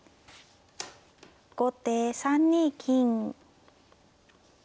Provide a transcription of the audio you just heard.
後手３二金。